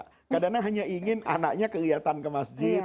kadang kadang hanya ingin anaknya kelihatan ke masjid